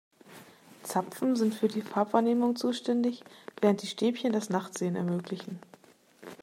Zapfen sind für die Farbwahrnehmung zuständig, während die Stäbchen das Nachtsehen ermöglichen.